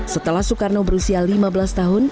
setelah soekarno berusia lima belas tahun